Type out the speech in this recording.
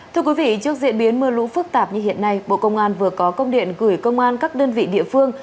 thưa quý vị trước diễn biến mưa lũ phức tạp như hiện nay bộ công an vừa có công điện gửi công an các đơn vị địa phương